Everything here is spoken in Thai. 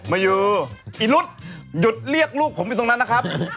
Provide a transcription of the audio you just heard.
มายูอี๊ฤทธิ์หยุดเรียกลูกผมไปตรงนั้นนะครับ